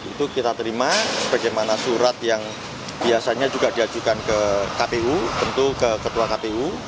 itu kita terima sebagaimana surat yang biasanya juga diajukan ke kpu tentu ke ketua kpu